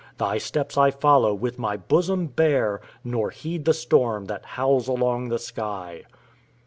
Thy steps I follow, with my bosom bare, Nor heed the storm that howls along the sky."